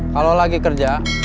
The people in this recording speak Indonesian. kalau lagi kerja